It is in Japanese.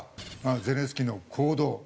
ゼレンスキーの行動。